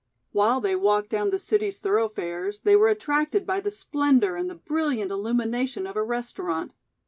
While they walked down the city's thoroughfares, they were attracted by the splendor and the brilliant illumination of a restaurant.